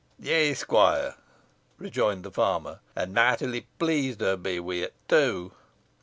"Yeigh, squoire," rejoined the farmer, "an mightily pleased hoo be wi' it, too."